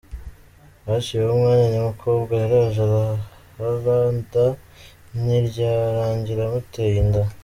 Haciyeho umwanya nyamukobwa yaraje arahara da, ntibyarangiye muteye inda.